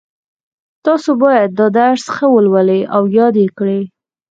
تاسو باید دا درس ښه ولولئ او یاد یې کړئ